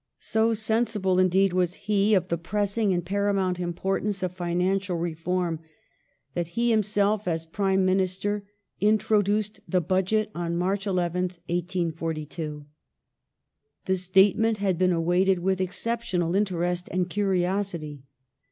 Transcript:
So sensible get of indeed was he of the pressing and paramount importance of financial reform that he himself as Prime Minister introduced the Budget on March 11th, 1842. The statement had been awaited with exceptional interest and curiosity.